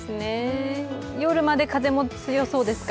夜まで風も強そうですか。